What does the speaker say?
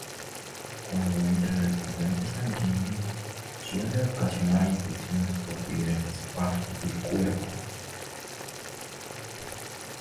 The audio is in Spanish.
Cuando entra en el torrente sanguíneo; suele ocasionar infecciones por diversas partes del cuerpo.